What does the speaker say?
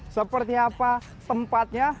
seperti apa tempatnya